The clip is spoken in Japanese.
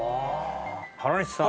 原西さん